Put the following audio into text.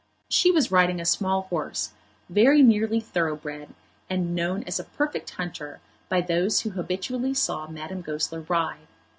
She was riding a small horse, very nearly thoroughbred, and known as a perfect hunter by those who habitually saw Madame Goesler ride.